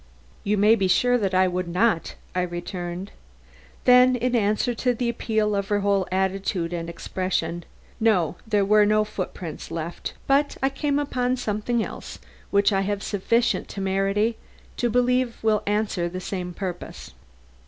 "You may be sure that I would not," I returned. Then in answer to the appeal of her whole attitude and expression: "No, there were no footprints left; but I came upon something else which I have sufficient temerity to believe will answer the same purpose.